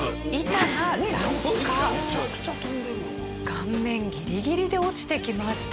顔面ギリギリで落ちてきました。